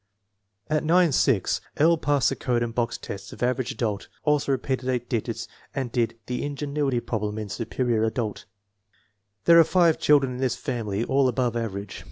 At 9 6 L. passed the code and box tests of Average Adult; also repeated 8 digits and did the ingenuity problem in Superior Adult. There are five children in this family, all above average.